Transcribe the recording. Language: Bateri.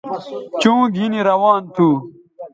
چوں گِھنی روان تھو